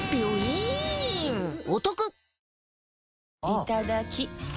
いただきっ！